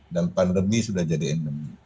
dan pandemi sudah jadi endemi